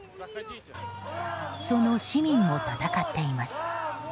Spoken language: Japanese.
その市民も戦っています。